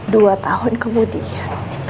dua tahun kemudian